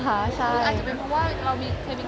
หรืออาจจะเป็นเพราะว่าผมเคยมีคราวต่างชะเอพิมพิมพิมยก